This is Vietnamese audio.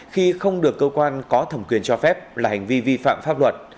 khi không được cơ quan có thẩm quyền cho phép là hành vi vi phạm pháp luật